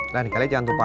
terima kasih mengantar